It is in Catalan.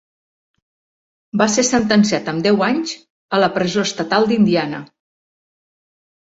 Va ser sentenciat amb deu anys a la presó estatal d'Indiana.